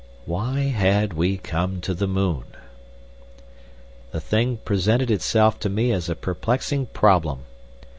Why had we come to the moon? The thing presented itself to me as a perplexing problem.